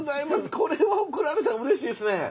これは贈られたらうれしいですね。